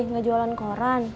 gak jualan koran